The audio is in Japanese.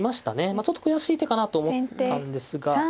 ちょっと悔しい手かなと思ったんですが。